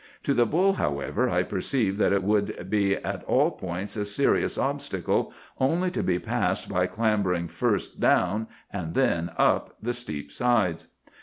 To the bull, however, I perceived that it would be at all points a serious obstacle, only to be passed by clambering first down and then up the steep sides.